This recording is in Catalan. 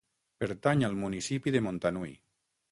Pertany al municipi de Montanui.